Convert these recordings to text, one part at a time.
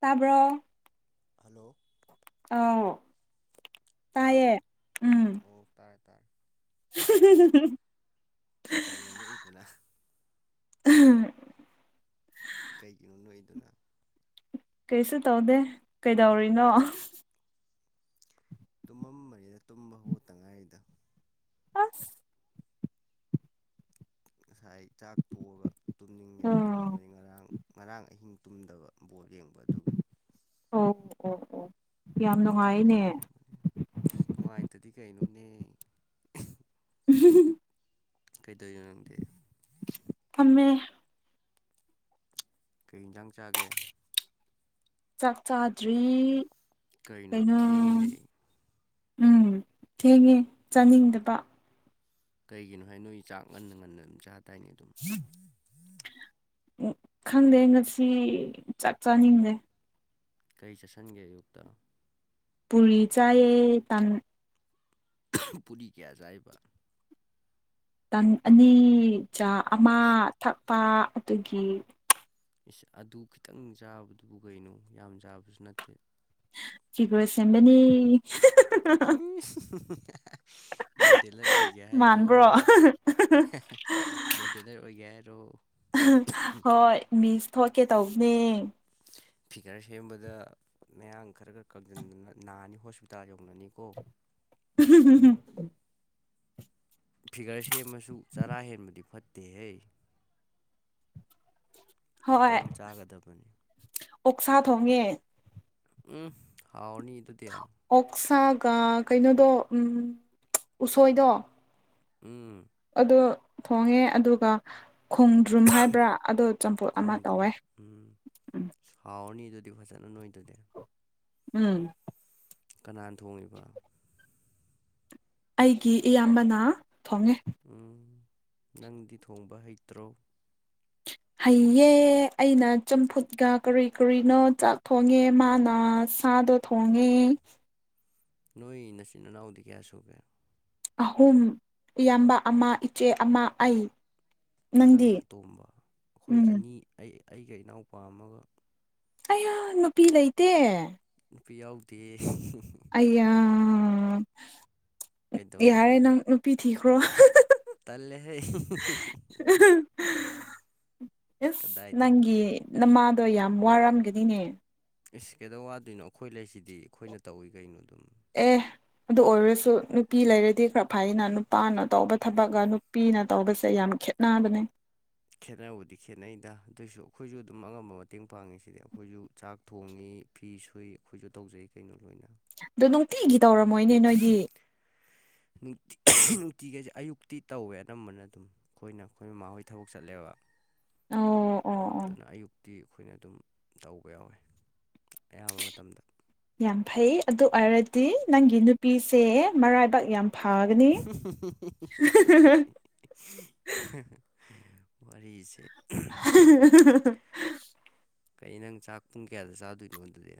ꯇꯥꯕ꯭ꯔꯣ ꯍꯜꯂꯣ ꯑꯧ ꯇꯥꯔꯕꯣ ꯎꯝ ꯑꯣ ꯇꯥꯔꯦ ꯇꯥꯔꯦ [unintelligible] ꯀꯩꯅꯣ ꯅꯣꯛꯏꯗꯨꯅ ꯀꯩꯒꯤꯅꯣ ꯅꯣꯛꯏꯗꯨꯅ ꯀꯩꯁꯨ ꯇꯧꯗꯦ ꯀꯩꯗꯧꯔꯤꯅꯣ ꯇꯨꯝꯃꯝꯕꯅꯤꯗ ꯇꯨꯝꯕ ꯍꯧꯒꯠꯇꯉꯥꯏꯔꯤꯗ ꯑꯁ ꯉꯁꯥꯏ ꯆꯥꯛ ꯇꯣꯛꯑꯒ ꯇꯨꯝꯅꯤꯡꯉꯦꯅ ꯑꯣ ꯇꯨꯝꯕꯅꯤ ꯉꯔꯥꯡ ꯉꯔꯥꯡ ꯑꯍꯤꯡ ꯇꯨꯝꯗꯕ ꯕꯣꯜ ꯌꯦꯡꯕ ꯑꯗꯨꯒꯤ ꯑꯣ ꯑꯣ ꯑꯣ ꯌꯥꯝ ꯅꯨꯡꯉꯥꯏꯌꯦꯅꯦ ꯑꯁ ꯅꯨꯡꯉꯥꯏꯇꯗꯤ ꯀꯩꯅꯣꯅꯦ ꯎꯝ [unintelligible] ꯀꯩꯗꯧꯏꯅꯣ ꯅꯪꯗꯤ ꯐꯝꯃꯦ ꯀꯩ ꯏꯟꯖꯥꯡ ꯆꯥꯒꯦ ꯆꯥꯛ ꯆꯥꯗ꯭ꯔꯤ ꯌꯥꯝ ꯀꯩꯅꯣ ꯊꯦꯡꯉꯦꯍꯦ ꯎꯝ ꯊꯦꯡꯉꯦ ꯆꯥꯅꯤꯡꯗꯕ ꯀꯩꯒꯤꯅꯣꯍꯦ ꯅꯣꯏ ꯆꯥꯛ ꯉꯟꯅ ꯉꯟꯅ ꯑꯗꯨꯝ ꯆꯥꯗꯥꯏꯅꯦ ꯑꯗꯨꯝ ꯎ ꯈꯪꯗꯦ ꯉꯁꯤ ꯆꯥꯛ ꯆꯥꯅꯤꯡꯗꯦ ꯀꯩ ꯆꯥꯁꯟꯒꯦ ꯑꯌꯨꯛꯇ ꯄꯨꯔꯤ ꯆꯥꯏꯌꯦ ꯇꯟ ꯄꯨꯔꯤ ꯀꯌꯥ ꯆꯥꯏꯕ ꯇꯟ ꯑꯅꯤ ꯆꯥ ꯑꯃ ꯏꯁ ꯊꯛꯄ ꯑꯗꯨꯒꯤ ꯏꯁ ꯑꯗꯨ ꯈꯤꯇꯪ ꯆꯥꯕꯗꯨꯕꯨ ꯀꯩꯅꯣ ꯌꯥꯝ ꯆꯥꯕꯁꯨ ꯅꯠꯇꯦ ꯐꯤꯒꯔ ꯁꯦꯝꯕꯅꯤ ꯃꯣꯗꯦꯂꯔ ꯑꯣꯏꯒꯦ ꯍꯥꯏꯔꯣ ꯃꯥꯟꯕ꯭ꯔꯣ ꯃꯣꯗꯦꯂꯔ ꯑꯣꯏꯒꯦ ꯍꯥꯏꯔꯣ ꯍꯣꯏ ꯃꯤꯁ ꯊꯣꯛꯀꯦ ꯇꯧꯕꯅꯦ ꯐꯤꯒꯔ ꯁꯦꯝꯕꯗ ꯃꯌꯥꯡ ꯈꯔꯛ ꯈꯔ [unintelligible] ꯀꯡꯖꯟꯗꯅ ꯅꯥꯅꯤ ꯍꯣꯁꯄꯤꯇꯥꯜ ꯌꯧꯅꯅꯤꯀꯣ [unintelligible] ꯐꯤꯒꯔ ꯁꯦꯝꯃꯁꯨ ꯆꯔꯥ ꯍꯦꯟꯕꯗꯤ ꯐꯠꯇꯦꯍꯦ ꯍꯣꯏ ꯈꯤꯇꯪ ꯆꯥꯒꯗꯕꯅꯤ ꯑꯣꯛꯁꯥ ꯊꯣꯡꯉꯦ ꯎꯝ ꯍꯥꯎꯔꯅꯤ ꯑꯗꯨꯗꯤ ꯑꯣꯛꯁꯥꯒ ꯀꯩꯅꯣꯗꯣ ꯎꯝ ꯎꯁꯣꯏꯗꯣ ꯎꯝ ꯑꯗꯨ ꯊꯣꯡꯉꯦ ꯑꯗꯨꯒ ꯈꯣꯡꯗ꯭ꯔꯨꯝ ꯍꯥꯏꯕ꯭ꯔꯥ ꯑꯗꯣ ꯆꯝꯐꯨꯠ ꯑꯃ ꯈꯣꯡꯗ꯭ꯔꯨꯝ ꯇꯧꯋꯦ ꯎꯝ ꯎꯝ ꯍꯥꯎꯔꯅꯤ ꯑꯗꯨꯗꯤ ꯐꯖꯅ ꯅꯣꯏꯗꯨꯗꯤ ꯎꯝ ꯀꯅꯥꯅ ꯊꯣꯡꯉꯤꯕ ꯑꯩꯒꯤ ꯏꯌꯥꯝꯕꯅ ꯊꫭꯡꯉꯦ ꯎꯝ ꯅꯪꯗꯤ ꯊꯣꯡꯕ ꯍꯩꯇ꯭ꯔꯣ ꯍꯩꯌꯦ ꯑꯩꯅ ꯆꯝꯐꯨꯠꯀ ꯀꯔꯤ ꯀꯔꯤꯅꯣ ꯆꯥꯛ ꯊꯣꯡꯉꯦ ꯃꯥꯅ ꯁꯥꯗꯣ ꯊꯣꯡꯉꯦ ꯅꯣꯏ ꯅꯆꯤꯟ ꯏꯅꯥꯎꯗꯤ ꯀꯌꯥ ꯁꯨꯒꯦ ꯑꯍꯨꯝ ꯏꯌꯥꯝꯕ ꯑꯃ ꯏꯆꯦ ꯑꯃ ꯑꯩ ꯅꯪꯗꯤ ꯅꯪꯅ ꯑꯇꯣꯝꯕ ꯑꯩꯈꯣꯏ ꯎꯝ ꯑꯅꯤ ꯑꯩ ꯑꯩꯒ ꯏꯅꯥꯎꯄꯥꯝꯃꯒ ꯑꯌꯥ ꯅꯨꯄꯤ ꯂꯩꯇꯦ ꯅꯨꯄꯤ ꯌꯥꯎꯗꯦ ꯑꯩꯌꯥ ꯌꯥꯔꯦ ꯀꯩꯗꯧꯔꯒꯦ ꯅꯪ ꯅꯨꯄꯤ ꯊꯤꯈ꯭ꯔꯣ ꯇꯜꯂꯦꯍꯦ [unintelligible] ꯑꯁ ꯅꯪꯒꯤ ꯀꯗꯥꯏꯗꯩꯅꯣꯗ ꯅꯃꯥꯗꯣ ꯌꯥꯝ ꯋꯥꯔꯝꯒꯅꯤꯅꯦ ꯑꯦꯁ ꯀꯩꯗꯧ ꯋꯥꯗꯣꯏꯅꯣ ꯑꯩꯈꯣꯏ ꯂꯩꯁꯤꯗꯤ ꯑꯩꯈꯣꯏꯅ ꯇꯧꯏ ꯀꯩꯅꯣ ꯑꯗꯨꯝ ꯑꯦ ꯑꯗꯨ ꯑꯣꯏꯔꯁꯨ ꯅꯨꯄꯤ ꯂꯩꯔꯗꯤ ꯈꯔ ꯐꯅ ꯅꯨꯄꯥꯅ ꯇꯧꯕ ꯊꯕꯛꯀ ꯅꯨꯄꯤꯅ ꯇꯧꯕꯁꯦ ꯌꯥꯝ ꯈꯦꯠ ꯅꯥꯕꯅꯦ ꯈꯦꯠꯅꯕꯗꯤ ꯈꯦꯠꯅꯩꯗ ꯑꯗꯨꯑꯣꯏꯁꯨ ꯑꯩꯈꯣꯏꯁꯨ ꯑꯗꯨꯝ ꯑꯉꯝꯕ ꯃꯇꯦꯡ ꯄꯥꯡꯉꯤꯁꯤꯗꯤ ꯑꯩꯈꯣꯏꯁꯨ ꯆꯥꯛ ꯊꯣꯡꯉꯤ ꯐꯤ ꯁꯨꯏ ꯑꯩꯈꯣꯏꯁꯨ ꯇꯧꯖꯩ ꯀꯩꯅꯣ ꯂꯣꯏꯅ ꯑꯗꯨ ꯅꯨꯡꯇꯤꯒꯤ ꯇꯧꯔꯝꯃꯣꯏꯅꯦ ꯅꯣꯏꯗꯤ ꯅꯨꯡꯇꯤꯒꯩꯁꯦ ꯑꯌꯨꯛꯇꯤ ꯇꯧꯋꯦ ꯑꯅꯝꯕꯅ ꯑꯗꯨꯝ ꯑꯩꯈꯣꯏꯅ ꯑꯩꯈꯣꯏ ꯃꯃꯥꯍꯣꯏ ꯊꯕꯛ ꯆꯠꯂꯦꯕ ꯑꯣ ꯑꯣ ꯑꯣ ꯑꯗꯨꯅ ꯑꯌꯨꯛꯇꯤ ꯑꯩꯈꯣꯏꯅ ꯑꯗꯨꯝ ꯇꯧꯕ ꯌꯥꯎꯋꯦ ꯑꯌꯥꯝꯕ ꯃꯇꯝꯗ ꯌꯥꯝ ꯐꯩ ꯑꯗꯨ ꯑꯣꯏꯔꯗꯤ ꯅꯪꯒꯤ ꯅꯨꯄꯤꯁꯦ ꯃꯔꯥꯏꯕꯥꯛ ꯌꯥꯝ ꯐꯒꯅꯤ [unintelligible] ꯋꯥꯔꯤꯁꯦ [unintelligible] ꯀꯩ ꯅꯪ ꯆꯥꯛ ꯄꯨꯡ ꯀꯌꯥꯗ ꯆꯥꯗꯣꯏꯅꯣ ꯑꯗꯨꯗꯤ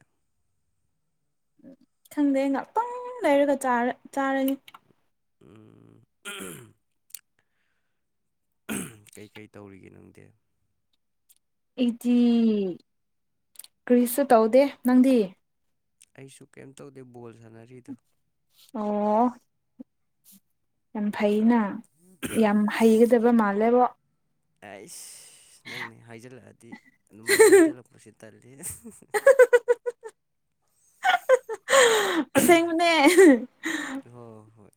ꯈꯪꯗꯦ ꯉꯥꯛꯇꯪ ꯂꯩꯔꯒ ꯆꯥꯔꯦ ꯆꯥꯔꯅꯤ ꯎꯝ [unintelligible] ꯀꯩꯀꯩ ꯇꯧꯔꯤꯒꯦ ꯅꯪꯗꯦ ꯑꯩꯇꯤ ꯀ꯭ꯔꯤꯁꯨ ꯇꯧꯗꯦ ꯅꯪꯗꯤ ꯑꯩꯁꯨ ꯀꯩꯝ ꯇꯧꯗꯦ ꯕꯣꯜ ꯁꯥꯟꯅꯔꯤꯗꯣ ꯑꯣ ꯌꯥꯝ ꯐꯩꯅ ꯌꯥꯝ ꯍꯩꯒꯗꯕ ꯃꯥꯜꯂꯦꯕ ꯑꯩꯁ ꯅꯪꯅꯦ ꯍꯥꯏꯖꯤꯜꯂꯛꯑꯗꯤ ꯑꯗꯨꯃꯥꯏꯒ ꯍꯥꯏꯖꯤꯜꯂꯛꯄꯁꯤ ꯇꯜꯂꯤ [unintelligible] ꯑꯁꯦꯡꯕꯅꯦ ꯍꯣꯏ ꯍꯣꯏ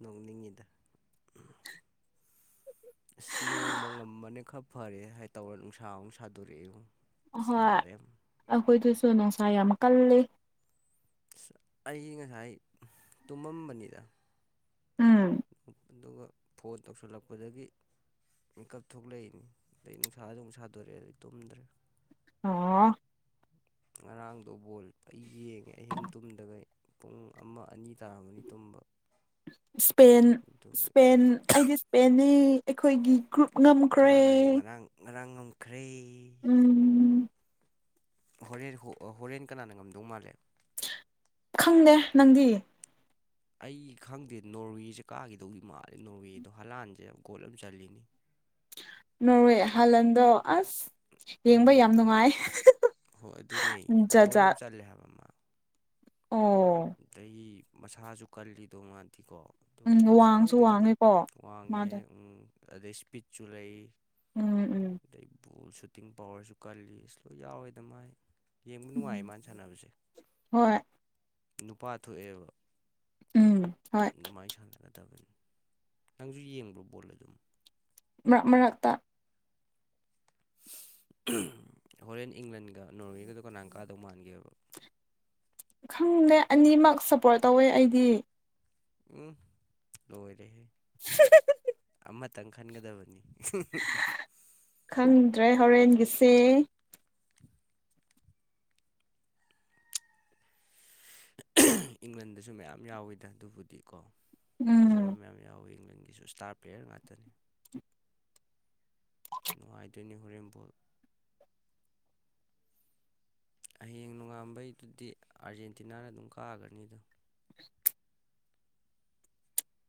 ꯅꯣꯛꯅꯤꯡꯉꯤꯗ ꯑꯁ ꯅꯣꯡꯃꯪꯉꯝꯕꯅꯦ ꯈꯔ ꯐꯔꯦ ꯍꯥꯏ ꯇꯧꯔ ꯅꯨꯡꯁꯥ ꯑꯃꯛ ꯁꯥꯗꯣꯔꯛꯏꯉꫭ ꯑꯍꯣꯏ ꯑꯩꯈꯣꯏꯗꯨꯁꯨ ꯅꯨꯡꯁꯥ ꯌꯥꯝ ꯀꯜꯂꯤ ꯑꯩ ꯉꯁꯥꯏ ꯇꯨꯝꯃꯝꯕꯅꯤꯗ ꯎꯝ ꯑꯗꯨꯒ ꯐꯣꯟ ꯇꯧꯁꯤꯜꯂꯛꯄꯗꯒꯤ ꯃꯤꯀꯞ ꯊꯣꯛꯂꯛꯏꯅꯤ ꯑꯗꯩ ꯅꯨꯡꯁꯥꯁꯨꯨꯛ ꯁꯥꯗꯣꯔꯛꯑꯦ ꯑꯗꯗꯒꯤ ꯇꯨꯝꯗ꯭ꯔꯦ ꯑꯣ ꯉꯔꯥꯡꯗꯣ ꯕꯣꯜ ꯑꯩ ꯌꯦꯡꯉꯦ ꯑꯍꯤꯡ ꯇꯨꯝꯗꯒꯩ ꯄꯨꯡ ꯑꯃ ꯑꯅꯤ ꯇꯥꯔꯝꯃꯅꯤ ꯇꯨꯝꯕ ꯏꯁ꯭ꯄꯦꯟ ꯑꯗꯨꯒꯤ ꯏꯁ꯭ꯄꯦꯟ ꯑꯩꯗꯤ ꯏꯁ꯭ꯄꯦꯟꯅꯤ ꯑꯩꯈꯣꯏꯒꯤ ꯒ꯭ꯔꯨꯞ ꯉꯝꯈ꯭ꯔꯦ ꯀꯥꯈꯔꯦ ꯉꯔꯥꯡ ꯉꯔꯥꯡ ꯉꯝꯈ꯭ꯔꯦ ꯎꯝ ꯍꯣꯔꯦꯟ ꯍꯣꯔꯦꯟ ꯀꯅꯥꯅ ꯉꯝꯗꯧ ꯃꯥꯜꯂꯦ ꯈꯪꯗꯦ ꯅꯪꯗꯤ ꯑꯩ ꯈꯪꯗꯦ ꯅꯣꯔꯋꯦꯁꯦ ꯀꯥꯈꯤꯗꯧꯒꯤ ꯃꯥꯜꯂꯦ ꯅꯣꯔꯋꯦꯗꯣ ꯍꯂꯥꯟꯁꯦ ꯌꯥꯝ ꯒꯣꯠ ꯑꯝ ꯆꯜꯂꯤꯅꯤ ꯅꯣꯔꯋꯦ ꯍꯂꯟꯗꯣ ꯑꯁ ꯌꯦꯡꯕ ꯌꯥꯝ ꯎꯝ ꯅꯨꯡꯉꯥꯏ ꯍꯣꯏ ꯑꯗꯨꯅꯦ ꯖꯥꯠ ꯒꯣꯜ ꯑꯃ ꯖꯥꯠ ꯆꯜꯂꯦ ꯑꯣ ꯑꯗꯩꯩ ꯃꯁꯥꯁꯨ ꯀꯜꯂꯤꯗꯣ ꯃꯥꯗꯤꯀꯣ ꯎꯝ ꯑꯗꯨꯒ ꯑꯁ ꯋꯥꯡꯁꯨ ꯈꯪꯗꯦꯗ ꯋꯥꯡꯉꯦꯀꯣ ꯋꯥꯡꯉꯦ ꯃꯥꯗꯣ ꯑꯗꯩ ꯏꯁꯄꯤꯠꯁꯨ ꯂꯩ ꯎꯝ ꯎꯝ ꯑꯗꯩ ꯕꯣꯜ ꯁꯨꯇꯤꯡ ꯄꯋꯥꯔꯁꯨ ꯀꯜꯂꯤ ꯂꯣꯏ ꯌꯥꯎꯋꯦꯗ ꯃꯥꯏ ꯌꯦꯡꯕ ꯅꯨꯡꯉꯥꯏꯌꯦ ꯎꯝ ꯃꯥꯅ ꯁꯥꯟꯅꯕꯁꯦ ꯍꯣꯏ ꯅꯨꯄꯥ ꯊꯣꯛꯑꯦꯕ ꯎꯝ ꯍꯣꯏ ꯑꯗꯨꯃꯥꯏꯅ ꯁꯥꯟꯅꯒꯗꯕꯅꯤ ꯅꯪꯁꯨ ꯌꯦꯡꯕ꯭ꯔꯣ ꯕꯣꯜ ꯑꯗꯨꯝ ꯃꯔꯛ ꯃꯔꯛꯇ ꯍꯣꯔꯦꯟ ꯏꯪꯂꯟꯒ ꯅꯣꯔꯋꯦꯒꯗ ꯀꯅꯀꯥꯗꯧ ꯃꯥꯟꯒꯦꯕ ꯈꯪꯅꯦ ꯑꯅꯤꯃꯛ ꯁꯞꯄꯣꯔꯠ ꯇꯧꯋꯦ ꯑꯩꯗꯤ ꯎꯝ ꯂꯣꯏꯔꯦꯍꯦ [unintelligible] ꯃꯥꯇꯪ ꯈꯟꯒꯗꯕꯅꯤ ꯈꯪꯗ꯭ꯔꯦ ꯍꯣꯔꯦꯟꯒꯤꯁꯦ [inaudible] ꯏꯪꯂꯟꯗꯁꯨ ꯃꯌꯥꯝ ꯌꯥꯎꯋꯤꯗ ꯑꯗꯨꯕꯨꯗꯤ ꯀꯣ ꯐꯖꯕ ꯎꯝ ꯃꯌꯥꯝ ꯌꯥꯎ ꯏꯪꯂꯦꯟꯒꯤꯁ꯭ꯇꯥꯔ ꯄ꯭ꯂꯦꯌꯔ ꯉꯥꯛꯇꯅꯤ ꯅꯨꯡꯉꯥꯏꯗꯣꯏꯅꯤ ꯍꯣꯔꯦ ꯕꫭꯜ ꯍꯌꯦꯡ ꯅꯣꯡꯉꯥꯝꯕꯩꯗꯨꯗꯤ ꯑꯥꯔꯖꯦꯟꯇꯤꯅꯥꯅ ꯑꯗꯨꯝ ꯀꯛꯒ꯭ꯔꯅꯤ ꯗ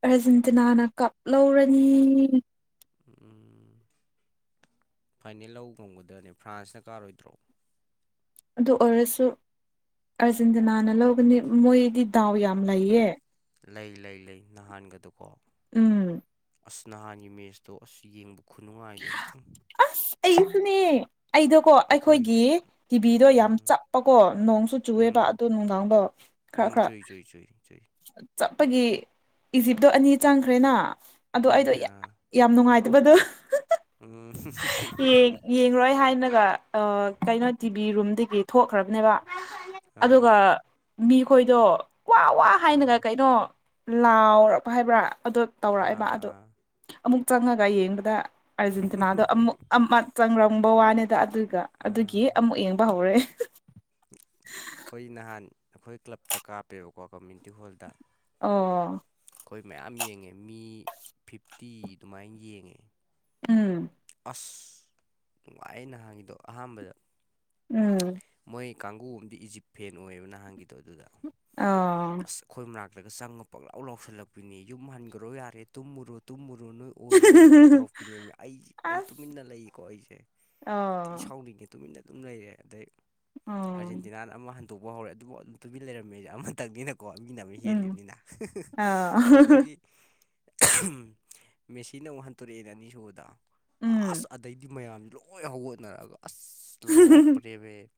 ꯑꯔꯖꯦꯟꯇꯤꯅꯥꯅ ꯀꯞ ꯂꯧꯔꯅꯤ ꯎꯝ ꯐꯥꯏꯅꯦꯜ ꯂꯧ ꯉꯝꯒꯗ꯭ꯔꯅꯦ ꯐ꯭ꯔꯥꯟꯁꯅ ꯀꯥꯔꯣꯏꯗ꯭ꯔꯣ ꯑꯗꯨ ꯑꯣꯏꯔꯁꯨ ꯑꯔꯖꯦꯟꯇꯤꯅꯥꯅ ꯂꯧꯒꯅꯤ ꯃꯣꯏꯗꯤ ꯗꯥꯎ ꯌꯥꯝ ꯂꯩꯌꯦ ꯂꯩ ꯂꯩ ꯂꯩ ꯅꯍꯥꯟꯒꯗꯣꯀꯣ ꯎꯝ ꯑꯁ ꯅꯍꯥꯟꯒꯤ ꯃꯦꯁꯇꯣ ꯑꯁ ꯌꯦꯡꯕ ꯈꯨꯅꯨꯡꯉꯥꯏꯗꯣ ꯎ ꯑꯩꯁꯨꯅꯦ ꯑꯩꯗꯣ ꯀꯣ ꯑꯩꯈꯣꯏ ꯑꯩꯈꯣꯏꯒꯤ ꯇꯤꯚꯤꯗꯣ ꯌꯥꯝ ꯎꯝ ꯆꯞꯄꯀꯣ ꯅꯣꯡꯁꯨ ꯆꯨꯑꯦꯕ ꯎꯝ ꯑꯗꯨ ꯅꯨꯡꯗꯥꯡꯗꯣ ꯈꯔꯥ ꯈꯔꯥ [unintelligible] ꯆꯠꯄꯒꯤ ꯏꯖꯤꯞꯇꯣ ꯑꯅꯤ ꯆꯪꯈ꯭ꯔꯦꯅ ꯑꯗꯣ ꯑꯩꯗꯣ ꯆꯪꯈ꯭ꯔꯦ ꯑꯥ ꯌꯥꯝ ꯅꯨꯡꯉꯥꯏꯇꯕꯗꯣ ꯎꯝ ꯌꯦꯡ ꯌꯦꯡꯉꯣꯏ ꯍꯥꯏꯅꯒ ꯑꯣ ꯀꯩꯅꯣ ꯇꯤꯚ ꯔꯨꯝꯗꯒꯤ ꯊꯣꯛꯈ꯭ꯔꯕꯅꯦꯕ ꯑꯥ ꯑꯗꯨꯒ ꯃꯤꯈꯣꯏꯗꯣ ꯋꯥ ꯋꯥ ꯍꯥꯏꯅꯒ ꯑꯥ ꯀꯩꯅꯣ ꯂꯥꯎꯔꯛꯄ ꯍꯥꯏꯕ꯭ꯔꯥ ꯑꯗꯣ ꯑꯥ ꯇꯧꯔꯛꯑꯦꯕ ꯑꯗꯣ ꯑꯥ ꯑꯃꯨꯛ ꯆꯪꯉꯒ ꯌꯦꯡꯕꯗ ꯑꯥꯔꯖꯦꯟꯇꯤꯅꯥꯗꯣ ꯑꯃꯨꯛ ꯆꯪꯔꯝꯕ ꯋꯥꯅꯤꯗ ꯑꯗꯨꯒ ꯑꯗꯨꯒꯤ ꯑꯥ ꯑꯃꯨꯛ ꯌꯦꯡꯕ ꯍꯧꯔꯦ ꯑꯩꯈꯣꯏ ꯅꯍꯥꯟ ꯑꯩꯈꯣꯏ ꯀ꯭ꯂꯞꯇ ꯀꯥꯞꯄꯦꯕꯀꯣ ꯀꯝꯃꯌꯨꯅꯤꯇꯤ ꯍꯣꯜꯗ ꯑꯣ ꯑꯩꯈꯣꯏ ꯃꯌꯥꯝ ꯌꯦꯡꯉꯦ ꯃꯤ ꯐꯤꯐꯇꯤ ꯑꯗꯨꯃꯥꯏꯅ ꯌꯦꯡꯉꯦ ꯎꯝ ꯑꯁ ꯅꯨꯡꯉꯥꯏ ꯅꯍꯥꯟꯒꯤꯗꯣ ꯑꯍꯥꯟꯕꯗ ꯎꯝ ꯃꯣꯏ ꯀꯥꯡꯒꯨ ꯑꯗꯤ ꯏꯖꯤꯞꯐꯦꯟ ꯑꯣꯏꯌꯦꯕ ꯅꯍꯥꯟꯒꯤꯗꯣ ꯑꯗꯨꯗ ꯑꯣ ꯑꯁ ꯑꯩꯈꯣꯏ ꯃꯅꯥꯛꯇꯒ ꯆꯪꯉꯒ ꯄꯛꯂꯥꯎ ꯂꯥꯎꯁꯤꯜꯂꯛꯄꯤꯅꯤ ꯌꯨꯝ ꯍꯟꯈ꯭ꯔꯣ ꯌꯥꯔꯦ ꯇꯨꯝꯃꯨꯔꯣ ꯇꯨꯝꯃꯨꯔꯣ ꯅꯣꯏ ꯑꯣꯏꯔꯔꯣꯏ ꯀꯥꯏ ꯇꯧꯔꯛꯄꯤꯅꯦ ꯑꯩꯦ ꯑꯩ ꯑꯁ ꯇꯨꯃꯤꯟꯅ ꯂꯩꯀꯣ ꯑꯩꯁꯦ ꯑ ꯁꯥꯎꯅꯤꯡꯉꯦ ꯇꯨꯃꯤꯟꯅ ꯑꯗꯨꯝ ꯂꯩꯔꯦ ꯑꯗꯩ ꯑ ꯑꯥꯔꯖꯦꯟꯇꯤꯅꯥ ꯑꯃ ꯍꯟꯗꯣꯛꯄ ꯍꯧꯔꯦ ꯑꯗꯨꯕꯨ ꯑꯗꯨꯝ ꯇꯨꯕꯤ ꯂꯩꯔꯝꯃꯦꯁꯦ ꯑꯃꯇꯪꯅꯤꯅ ꯀꯣ ꯃꯤꯅ ꯑꯃ ꯎꯝ ꯍꯦꯜꯂꯤꯕꯅꯤꯅ ꯑ ꯑꯗꯒꯤ ꯎꯝ ꯃꯦꯁꯤꯅ ꯑꯃꯨꯛ ꯍꯟꯇꯣꯔꯛꯑꯦꯅ ꯑꯅꯤꯁꯨꯕꯗ ꯑꯁ ꯑꯗꯩꯗꯤ ꯃꯌꯥꯝꯁ ꯂꯣꯏ ꯍꯧꯒꯠꯅꯔꯛꯑꯒ ꯑꯁ ꯂꯧꯔꯛꯄ ꯎꯝ ꯁꯦꯝꯃꯦ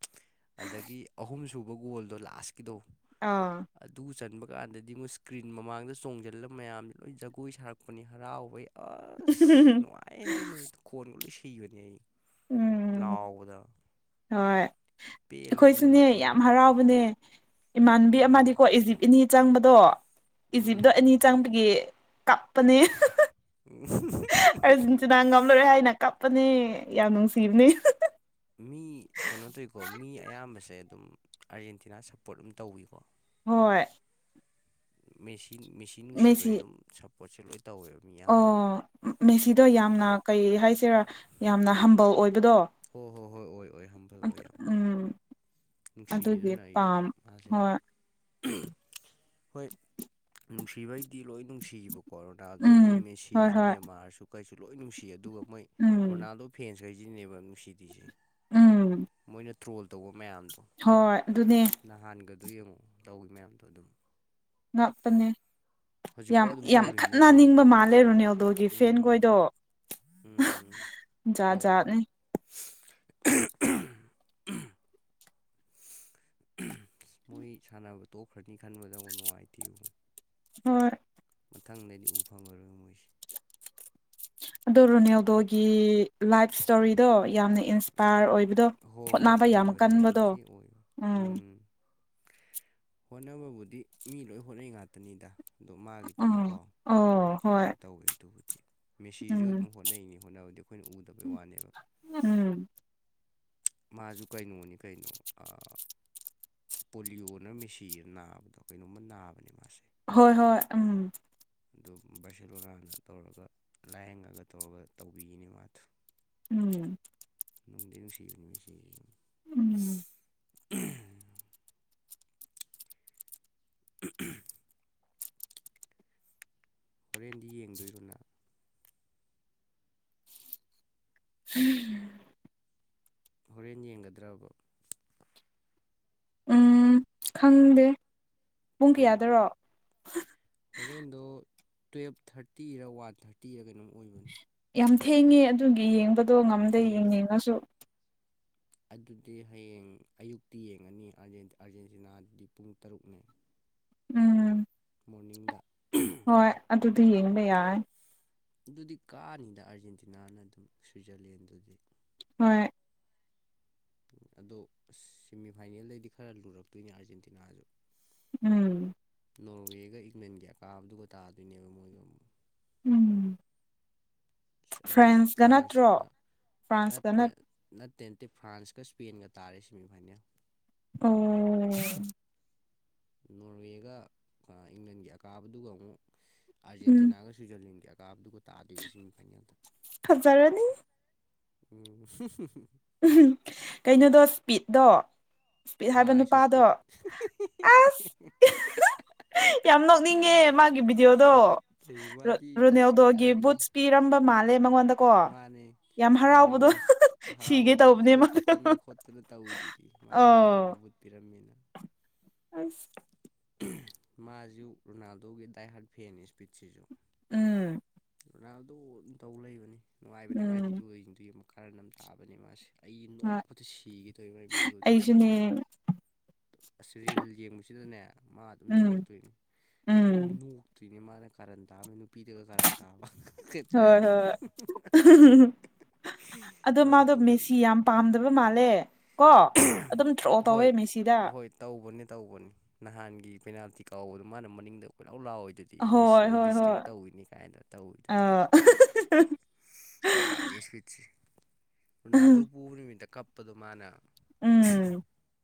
ꯑꯗꯒꯤ ꯑꯍꯨꯝ ꯁꯨꯕ ꯒꯣꯜꯗꯣ ꯂꯥꯁꯀꯤꯗꯣ ꯑꯥ ꯑꯗꯨ ꯆꯟꯕ ꯀꯥꯟꯗꯗꯤ ꯃꯣꯏ ꯏꯁ꯭ꯀ꯭ꯔꯤꯟ ꯃꯃꯥꯡꯗ ꯆꯣꯡꯁꯤꯜꯂ ꯃꯌꯥꯝꯁꯦ ꯂꯣꯏ ꯖꯒꯣꯏ ꯁꯥꯔꯛꯄꯅꯤ ꯍꯔꯥꯎꯕꯩ ꯑꯁ ꯅꯨꯡꯉꯥꯏꯌꯦꯗꯣ ꯅꯨꯃꯤꯠꯇꯨ ꯀꯣꯟꯒ ꯂꯣꯏ ꯁꯤꯕꯅꯦ ꯑꯩ ꯎꯝ ꯂꯥꯎꯑꯣ ꯑꯣꯗꯥ ꯍꯣꯏ ꯑꯩꯈꯣꯏꯁꯨꯅꯦ ꯅꯨꯃꯤꯠꯇꯨ ꯌꯥꯝ ꯕꯣꯜ ꯍꯔꯥꯎꯕꯅꯦ ꯏꯃꯥꯟꯕꯤ ꯎꯝ ꯑꯃꯗꯤꯀꯣ ꯏꯖꯤꯞ ꯏꯅꯤ ꯆꯪꯕꯗꯣ ꯏꯖꯤꯞꯇꯣ ꯎꯝ ꯏꯅꯤ ꯆꯪꯕꯒꯤ ꯀꯞꯄꯅꯦ ꯎ ꯑꯔꯖꯦꯟꯇꯤꯅꯥ ꯉꯝꯂꯔꯦ ꯍꯥꯏꯅ ꯀꯞꯄꯅꯤ ꯌꯥꯝ ꯅꯨꯡꯁꯤꯕꯅꯤ ꯃꯤ ꯀꯩꯅꯣ ꯇꯧꯋꯀꯣ ꯃꯤ ꯑꯌꯥꯝꯕꯁꯦ ꯑꯗꯨꯝ ꯑꯥꯔꯖꯦꯟꯇꯤꯅꯥ ꯁꯞꯄꯣꯔꯠ ꯑꯗꯨꯝ ꯇꯧꯋꯀꯣ ꯍꯣꯏ ꯃꯦꯆꯤꯟ ꯃꯦꯆꯤꯟ ꯅꯨꯡꯁꯤꯕꯩ ꯃꯦꯁꯤ ꯑꯗꯨꯝ ꯁꯞꯄꯣꯔꯠꯁꯦ ꯂꯣꯏ ꯇꯧꯋꯦꯕ ꯃꯤ ꯑꯌꯥꯝꯕꯅ ꯑꯣ ꯃꯦꯁꯤꯗꯣ ꯌꯥꯝꯅ ꯀꯩ ꯍꯥꯏꯁꯤꯔꯥ ꯌꯥꯝꯅ ꯍꯝꯕꯜ ꯑꯣꯏꯕꯗꯣ ꯍꯣꯏ ꯍꯣ ꯍꯣꯏ ꯍꯣꯏ ꯑꯣꯏ ꯍꯝꯕꯤꯔꯛꯑꯣ ꯌꯥꯝ ꯎꯝ ꯑꯗꯨꯒꯤ ꯅꯨꯡꯁꯤꯗꯨꯅ ꯑꯩꯁꯨ ꯄꯥꯝ ꯃꯥꯁꯦ ꯌꯥꯝ ꯍꯣꯏ ꯍꯣꯏ ꯅꯨꯡꯁꯤꯕꯩꯗꯤ ꯂꯣꯏ ꯅꯨꯡꯁꯤ ꯅꯨꯡꯁꯤꯕ ꯀꯣꯔꯣꯅꯥꯗꯣꯁꯨ ꯎꯝ ꯍꯣꯏ ꯃꯦꯁꯤꯁꯨ ꯍꯣꯏ ꯅꯦꯃꯥꯔꯁꯨ ꯀꯩꯁꯨ ꯂꯣꯏ ꯅꯨꯡꯁꯤ ꯑꯗꯨꯒ ꯃꯣꯏ ꯎꯝ ꯔꯣꯅꯥꯜꯗꯣ ꯐꯦꯟꯁꯈꯩꯁꯤꯅꯦꯕ ꯅꯨꯡꯁꯤꯕꯤꯁꯦ ꯎꯝ ꯃꯣꯏꯅ ꯇ꯭ꯔꯣꯜ ꯇꯧꯕ ꯃꯌꯥꯝꯗꯣ ꯍꯣꯏ ꯑꯗꯨꯅꯦ ꯅꯍꯥꯟꯒꯗꯣ ꯌꯦꯡꯉꯣ ꯇꯧꯋ ꯃꯌꯥꯝꯗꯣ ꯑꯗꯨꯝ ꯉꯥꯛꯇꯅꯦ ꯌꯥꯝ ꯍꯧꯖꯤꯛꯐꯥꯎ ꯑꯗꯨꯝ ꯌꯥꯝ ꯇꯧꯔꯤꯕꯅꯤ ꯈꯠꯅ ꯅꯤꯡꯕ ꯇ꯭ꯔꯣꯜꯗꯣ ꯃꯥꯜꯂꯦ ꯔꯣꯅꯦꯜꯗꯣꯒꯤ ꯐꯦꯟꯈꯣꯏꯗꯣ ꯎꯝ ꯎꯝ ꯖꯥꯠ ꯇꯧꯕꯅꯤ ꯖꯥꯠꯅꯤ ꯃꯣꯏ ꯁꯥꯟꯅꯕ ꯇꯣꯛꯈ꯭ꯔꯅꯤ ꯈꯟꯕꯗ ꯑꯃ ꯅꯨꯡꯉꯥꯏꯇꯦꯕ ꯍꯣꯏ ꯃꯊꯪꯗꯗꯤ ꯎ ꯐꯪꯉꯔꯣꯏ ꯃꯣꯏꯁꯦ ꯑꯗꯣ ꯔꯣꯅꯦꯜꯗꯣꯒꯤ ꯂꯥꯏꯐ ꯏꯁꯇꯣꯔꯤꯗꯣ ꯌꯥꯝꯅ ꯏꯟꯁꯄꯔ ꯑꯣꯏꯕꯗꯣ ꯍꯣꯏ ꯍꯣꯏ ꯍꯣꯠꯅꯕ ꯑꯣꯏꯕꯅꯤ ꯌꯥꯝ ꯀꯟꯕꯗꯣ ꯊꯤ ꯑꯣꯏꯕ ꯎꯝ ꯎꯝ ꯍꯣꯠꯅꯕꯕꯨꯗꯤ ꯃꯤ ꯂꯣꯏ ꯍꯣꯠꯅꯩ ꯉꯥꯛꯇꯅꯤꯗ ꯑꯗꯣ ꯃꯥꯒꯤꯗꯨꯅꯀꯣ ꯎꯝ ꯑꯣ ꯈꯔꯕꯨꯗꯤ ꯍꯣꯏ ꯀꯩꯅꯣ ꯇꯧꯋꯦ ꯑꯗꯨꯕꯨꯗꯤ ꯃꯦꯁꯤꯁꯨ ꯎꯝ ꯑꯗꯨꯝ ꯍꯣꯠꯅꯩꯅꯤ ꯍꯣꯠꯅꯕꯗꯤ ꯑꯩꯈꯣꯏꯅ ꯎꯗꯕꯩ ꯋꯥꯅꯦꯕ ꯎꯝ ꯃꯥꯁꯨ ꯀꯩꯅꯣꯅꯤ ꯀꯩꯅꯣ ꯄꯣꯂꯤꯑꯣꯣꯅ ꯃꯦꯁꯤ ꯅꯥꯕꯗꯣ ꯀꯩꯅꯣꯝꯃ ꯅꯥꯕꯅꯦ ꯃꯥꯁꯦ ꯍꯣꯏ ꯍꯣꯏ ꯎꯝ ꯑꯗꯨ ꯕꯥꯔꯁꯦꯂꯣꯂꯥꯅ ꯇꯧꯔꯒ ꯂꯥꯏꯌꯦꯡꯉꯒ ꯇꯧꯔꯒ ꯇꯧꯕꯤꯈꯤꯅꯤ ꯃꯥꯗꯨ ꯎꯝ ꯅꯣꯡꯗꯦ ꯅꯨꯡꯁꯤꯌꯨꯝ ꯁꯤ ꯎꯝ ꯎ ꯍꯣꯔꯦꯟꯗꯤ ꯌꯦꯡꯗꯣꯏꯔꯣꯅ ꯎꯝꯝ ꯍꯣꯔꯦꯟ ꯌꯦꯡꯒꯗ꯭ꯔꯕ ꯎꯝ ꯈꯪꯗꯦ ꯄꯨꯡ ꯀꯩꯒꯤ ꯀꯌꯥꯗꯔꯣ ꯍꯣꯔꯦꯟꯗꯣ ꯇꯨꯌꯦꯞ ꯊꯥꯔꯇꯤꯔ ꯋꯥꯟ ꯊꯥꯔꯇꯤ ꯇꯤꯔ ꯀꯩꯅꯣꯝ ꯑꯣꯏꯕꯅꯤ ꯌꯥꯝ ꯊꯦꯡꯉꯦ ꯑꯗꯨꯒꯤ ꯌꯦꯡꯕꯗꯣ ꯉꯝꯗꯦ ꯊꯦꯡꯉꯦ ꯌꯦꯡꯅꯤꯡꯉꯁꯨ ꯑꯗꯨꯗꯤ ꯍꯌꯦꯡ ꯑꯌꯨꯛꯇꯤ ꯌꯦꯡꯉꯅꯤ ꯑꯥꯔꯖꯦꯟꯇꯤꯅꯥꯗꯨꯗꯤ ꯄꯨꯡ ꯇꯔꯨꯛꯅꯦ ꯎꯝ ꯃꯣꯔꯅꯤꯡꯗ ꯍꯣꯏ ꯑꯗꯨꯗꯤ ꯌꯦꯡꯕ ꯌꯥꯏ ꯑꯗꯨꯗꯤ ꯀꯥꯅꯤꯗ ꯑꯥꯔꯖꯦꯟꯇꯤꯅꯥꯅ ꯑꯗꯨꯝ ꯁ꯭ꯋꯤꯖꯔꯂꯦꯟꯗꯨꯗꯤ ꯍꯣꯏ ꯑꯗꯣ ꯁꯦꯃꯤꯐꯥꯏꯅꯦꯜꯗꯩꯗꯤ ꯈꯔ ꯂꯨꯔꯛꯇꯣꯏꯅꯦ ꯑꯥꯔꯖꯦꯟꯇꯤꯅꯥꯁꯨ ꯎꯝ ꯅꯣꯔꯋꯦꯒ ꯏꯪꯂꯦꯟꯒꯤ ꯑꯀꯥꯕꯗꯨꯒ ꯇꯥꯗꯣꯏꯅꯦꯕ ꯃꯣꯏꯒ ꯑꯃꯨꯛ ꯎꯝ ꯍꯥꯏꯗꯤ ꯐ꯭ꯔꯦꯟꯁꯀ ꯅꯠꯇ꯭ꯔꯣ ꯐ꯭ꯔꯥꯟꯁꯀ ꯐ꯭ꯔꯥꯟꯁꯀ ꯅꯠꯇꯅ ꯅꯠ ꯅꯠꯇꯦ ꯅꯠꯇꯦ ꯐ꯭ꯔꯥꯟꯁꯀ ꯁ꯭ꯄꯦꯟꯒ ꯇꯥꯔꯦ ꯁꯤꯦꯃꯤꯐꯥꯏꯅꯦꯜ ꯑꯣꯝ ꯅꯣꯔꯋꯦꯒ ꯏꯪꯂꯦꯟꯒꯤ ꯑꯀꯥꯕꯗꯨꯒ ꯑꯃꯨꯛ ꯎꯝ ꯑꯥꯔꯖꯦꯟꯇꯤꯅꯥꯒ ꯆ ꯀꯌꯥ ꯀꯥꯗꯨꯣ ꯇꯥꯗ ꯁꯤ ꯐ ꯐꯖꯔꯅꯤ ꯑꯣ ꯀꯩꯅꯣꯗꯣ ꯏꯁꯄꯤꯗꯠꯇꯣ ꯄꯤꯠ ꯍꯥꯏꯕ ꯑꯥꯏꯁꯣ ꯅꯨꯄꯥꯗꯣ ꯏꯁꯄꯤꯠ ꯑꯁ ꯌꯥꯝ ꯅꯣꯛꯅꯤꯡꯉꯦ ꯃꯥꯒꯤ ꯚꯤꯗꯤꯑꯣꯗꯣ ꯁꯒꯠ ꯋꯥꯗꯤ ꯑꯁ ꯔꯣꯅꯦꯜꯗꯣꯒꯤ ꯀꯔꯟꯅꯤ ꯕꯨꯠꯁ ꯄꯤꯔꯝꯕ ꯃꯥꯜꯂꯦ ꯃꯉꯣꯟꯗꯀꯣ ꯌꯥꯝ ꯍꯔꯥꯎꯕꯗꯣ ꯁꯤꯒꯦ ꯍꯔꯥꯎꯋꯏꯗꯨꯗꯤ ꯇꯧꯕꯅꯦ ꯃꯥꯗꯣ ꯆꯨꯞꯇꯅ ꯈꯣꯠꯇꯅ ꯇꯧꯋꯤꯗꯨꯗꯤ ꯃꯥꯅ ꯍꯥꯟꯇꯣꯡꯕꯕꯨꯠ ꯄꯤꯔꯝꯃꯤꯅ ꯑ ꯃꯥꯁꯨ ꯔꯣꯅꯥꯜꯗꯣꯒꯤ ꯗꯥꯏ ꯍꯥꯔꯠ ꯐꯦꯟꯅꯤ ꯏꯁꯄꯤꯠꯁꯤꯁꯨ ꯎꯝ ꯔꯣꯅꯥꯜꯗꯣ ꯑꯗꯨꯝ ꯇꯧ ꯂꯩꯕꯅꯤ ꯅꯨꯡꯉꯥꯏꯕꯅꯦ ꯃꯥꯥꯏ ꯎꯝ ꯚꯤꯗꯤꯑꯣꯁꯤꯡꯗꯨꯒꯤ ꯑꯃꯨꯛ ꯀꯔꯟ ꯑꯃ ꯇꯥꯕꯅꯦ ꯃꯥꯁꯦ ꯑꯩ ꯍꯣꯏ ꯅꯣꯛꯄꯗ ꯁꯤꯈꯤꯗꯧ ꯃꯥꯏ ꯚꯤꯗꯤꯑꯣꯗꯣ ꯑꯩꯁꯨꯅꯦ ꯌꯦꯡꯕꯗꯕꯨ ꯑꯁ ꯔꯤꯜ ꯌꯦꯡꯕꯁꯤꯗꯅꯦ ꯃꯥ ꯑꯗꯨꯝ ꯎꯝ ꯊꯣꯛꯂꯛꯇꯣꯏꯅꯤ ꯎꯝ ꯑꯗꯨ ꯅꯣꯛꯇ꯭ꯣꯏꯅꯦ ꯃꯥꯅ ꯀꯥꯔꯟ ꯇꯥꯃꯤ ꯄꯤꯔꯒ ꯀꯔ ꯇꯕ ꯈꯦꯇꯅ ꯍꯣꯏ ꯑꯗꯨꯃ ꯍꯣꯏ ꯑꯗꯣ ꯃꯥꯗꯣ ꯃꯦꯁꯤ ꯌꯥꯝ ꯄꯥꯝꯗꯕ ꯃꯥꯜꯂꯦ ꯀꯣ ꯑꯗꯨꯝ ꯗ꯭ꯔꯣ ꯇꯧꯋꯦ ꯃꯦꯁꯤꯗ ꯑꯍꯣꯏ ꯇꯧꯕꯅꯦ ꯇꯧꯕꯅꯤ ꯅꯍꯥꯟꯒꯤ ꯄꯦꯅꯥꯜꯇꯤ ꯀꯥꯎꯕꯗꯣ ꯃꯥꯅ ꯃꯅꯤꯡꯗ ꯀꯣꯏꯂꯥꯎ ꯂꯥꯎꯑꯣꯏꯗꯨꯗꯤ ꯤ ꯍꯣꯏ ꯃꯁꯤꯦꯗ ꯍꯣꯏ ꯍꯣꯏ ꯗꯤꯁꯇ꯭ꯔꯦꯛ ꯇꯧꯋꯤꯅꯤ ꯀꯥꯏꯅ ꯇꯧꯋꯤꯗꯨꯗꯤ ꯑ ꯌꯥꯝꯅꯤ ꯁ꯭ꯋꯤꯠꯁꯦ ꯔꯣꯅꯥꯜꯗꯣ ꯄꯨꯕ ꯅꯨꯃꯤꯠꯇ ꯀꯞꯄꯗꯣ ꯃꯥꯅ ꯎꯝ